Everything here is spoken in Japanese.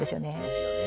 ですよね。